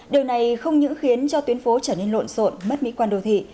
điều này không những khiến cho tuyến phố trở nên lộn xộn mất mỹ quan đô thị